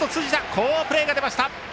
好プレーが出ました。